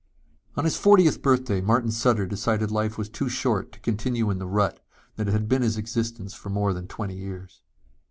On his fortieth birthday Martin Sutter decided life was too short to continue in the rut that had been his existence for more than twenty years.